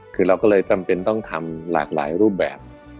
คือเราก็เลยต้องทำหลากหลายรูปแบบ